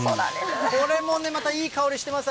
これもね、またいい香りしてます。